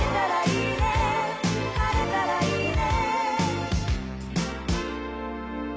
「晴れたらいいね」